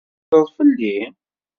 Tettekleḍ fell-i?